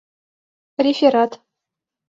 Реферат